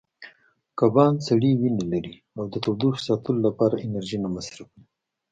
کبان سړې وینې لري او د تودوخې ساتلو لپاره انرژي نه مصرفوي.